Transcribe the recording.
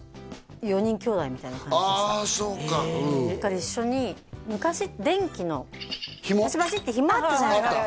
普通にあそうかうん一緒に昔電気のバシバシってひもあったじゃないですか